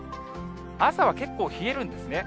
朝は結構冷えるんですね。